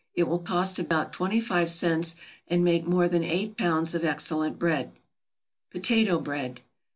It will cost about twenty five cents, and make more than eight pounds of excellent bread. =Potato Bread.